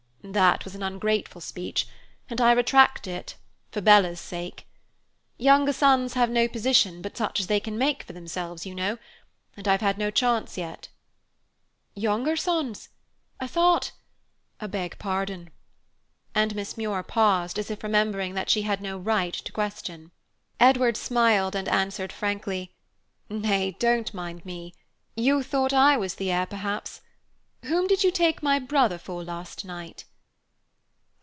"That was an ungrateful speech, and I retract it for Bella's sake. Younger sons have no position but such as they can make for themselves, you know, and I've had no chance yet." "Younger sons! I thought I beg pardon." And Miss Muir paused, as if remembering that she had no right to question. Edward smiled and answered frankly, "Nay, don't mind me. You thought I was the heir, perhaps. Whom did you take my brother for last night?"